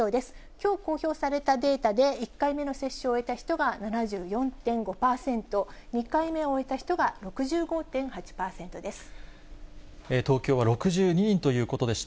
きょう公表されたデータで、１回目の接種を終えた人が７４．５％、２回目を終えた人が６５．８％です。